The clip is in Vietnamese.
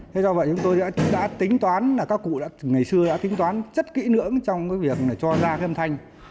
thế do vậy chúng tôi đã tính toán các cụ ngày xưa đã tính toán rất kỹ nữa trong cái việc cho ra cái âm thanh